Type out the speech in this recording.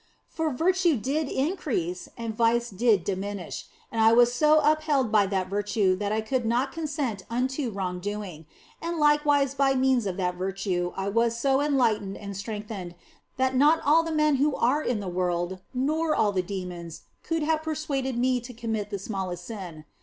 For virtue did increase and vice did diminish, and I was so upheld by that virtue that I could not consent unto wrong doing, and likewise by means of that virtue was I so enlightened and strengthened that not all the men who were in the world, nor all the demons, could have persuaded me to commit the smallest sin.